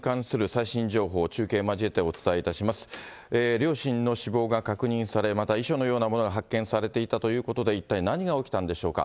両親の死亡が確認され、また遺書のようなものが発見されていたということで、一体何が起きたんでしょうか。